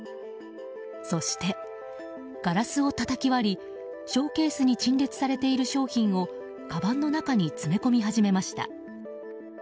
そしてガラスをたたき割りショーケースに陳列されている商品をかばんの中に詰め込み始めました。